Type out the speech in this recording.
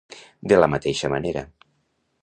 De la mateixa manera.